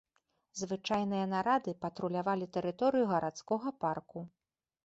Звычайныя нарады патрулявалі тэрыторыю гарадскога парку.